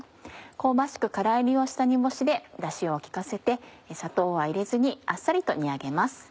香ばしく空炒りをした煮干しでダシを利かせて砂糖は入れずにあっさりと煮上げます。